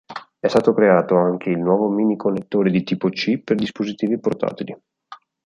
È stato creato anche il nuovo Mini connettore di Tipo C per dispositivi portatili.